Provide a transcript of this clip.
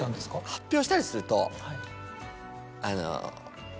発表したりすると。